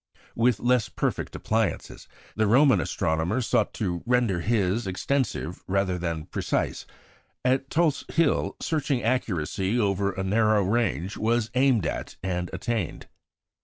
With less perfect appliances, the Roman astronomer sought to render his extensive rather than precise; at Tulse Hill searching accuracy over a narrow range was aimed at and attained.